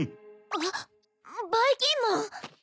あっばいきんまん！